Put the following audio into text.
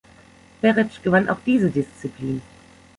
Perec gewann auch diese Disziplin.